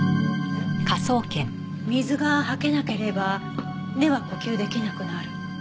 水がはけなければ根は呼吸出来なくなる。